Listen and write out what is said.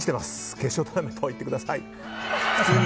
決勝トーナメント行ってください！